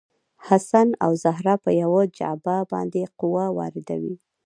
حسن او زهره په یوه جعبه باندې قوه واردوي.